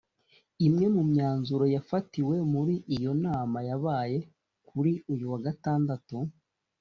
Imwe mu myanzuro yafatiwe muri iyo nama yabaye kuri uyu wa Gatandatu